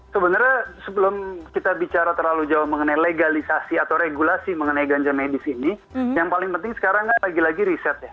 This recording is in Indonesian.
sebenarnya sebelum kita bicara terlalu jauh mengenai legalisasi atau regulasi mengenai ganja medis ini yang paling penting sekarang kan lagi lagi riset ya